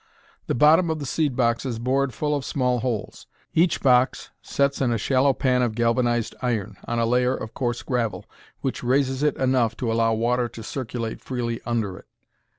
The bottom of the seed box is bored full of small holes. Each box sets in a shallow pan of galvanized iron, on a layer of coarse gravel, which raises it enough to allow water to circulate freely under it.